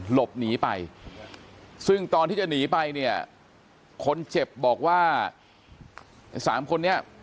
หลบหนีไปซึ่งตอนที่จะหนีไปเนี่ยคนเจ็บบอกว่าไอ้สามคนนี้